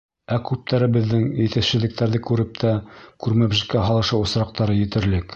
Ә күптәребеҙҙең, етешһеҙлектәрҙе күреп тә, күрмәмешкә һалышыу осраҡтары етерлек.